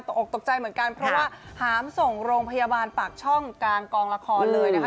ออกตกใจเหมือนกันเพราะว่าหามส่งโรงพยาบาลปากช่องกลางกองละครเลยนะคะ